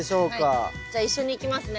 じゃあ一緒にいきますね。